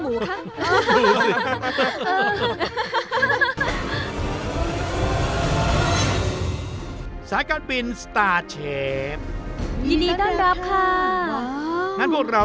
ดูแอบสาวสวยของเรานี่่ะครับ